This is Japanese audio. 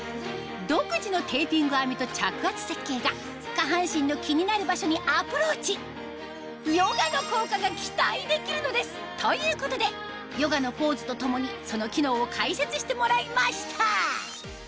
独自のテーピング編みと着圧設計が下半身の気になる場所にアプローチヨガの効果が期待できるのですということでヨガのポーズとともにその機能を解説してもらいました